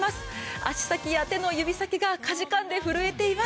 足先や手の指先がかじかんで震えています。